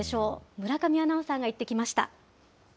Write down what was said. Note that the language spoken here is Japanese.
村上アナウンサーが行ってきました。